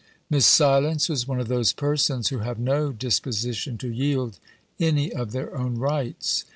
Miss Silence was one of those persons who have no disposition to yield any of their own rights.